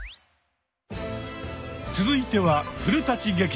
続いては「古劇場」。